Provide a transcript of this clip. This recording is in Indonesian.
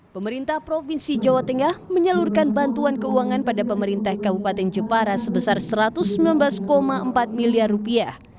pemerintah provinsi jawa tengah menyalurkan bantuan keuangan pada pemerintah kabupaten jepara sebesar satu ratus sembilan belas empat miliar rupiah